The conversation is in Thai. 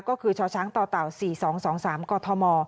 ก็คือชชตต๔๒๒๓กม